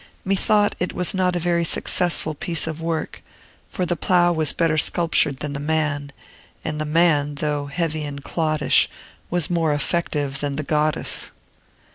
Methought it was not a very successful piece of work; for the plough was better sculptured than the man, and the man, though heavy and cloddish, was more effective than the goddess.